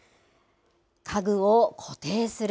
家具を固定する。